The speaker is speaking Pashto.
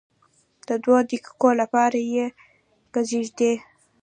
د دوو دقیقو لپاره یې کښېږدئ.